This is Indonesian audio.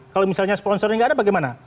kalau misalnya sponsornya nggak ada bagaimana